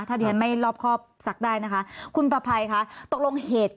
ตอนปิดอย่าง